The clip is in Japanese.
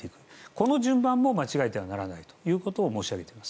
この順番も間違えてはならないということを申し上げております。